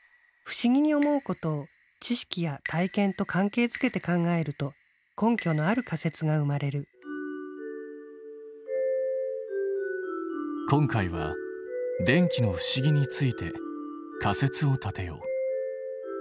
不思議に思うことを知識や体験と関係づけて考えると根拠のある仮説が生まれる今回は電気の不思議について仮説を立てよう。